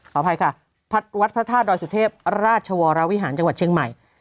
อภัยค่ะวัดพระธาตุดอยสุเทพราชวรวิหารจังหวัดเชียงใหม่